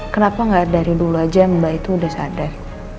kenapa nggak dari dulu aja mbak itu udah sadar